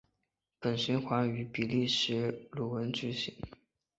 本循环于比利时鲁汶举行。